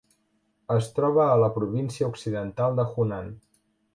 Es troba a la província occidental de Hunan.